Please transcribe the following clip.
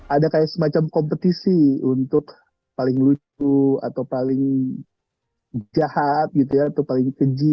ada kayak semacam kompetisi untuk paling lucu atau paling jahat gitu ya atau paling keji